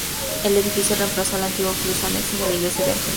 El edificio reemplazó al antiguo claustro anexo a la iglesia de San Francisco.